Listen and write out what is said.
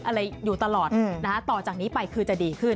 อะไรอยู่ตลอดนะคะต่อจากนี้ไปคือจะดีขึ้น